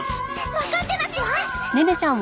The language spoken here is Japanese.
わかってますわ！